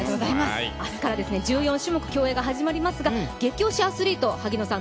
明日から１４種目、競泳が始まりますが激推しアスリート、萩野さん